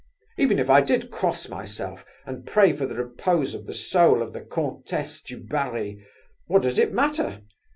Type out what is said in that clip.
Even if I did cross myself, and pray for the repose of the soul of the Comtesse du Barry, what does it matter?